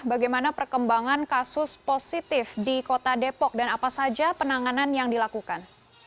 bagaimana perkembangan kasus positif di kota depok dan apa saja penanganan yang dilakukan